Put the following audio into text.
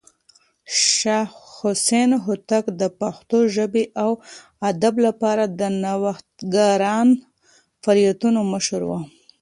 شاه حسين هوتک د پښتو ژبې او ادب لپاره د نوښتګران فعالیتونو مشر و.